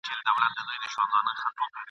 دا دریاب دی موږ ته پاته دي مزلونه ..